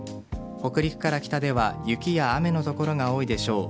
北陸から北では雷や雨のところが多いでしょう。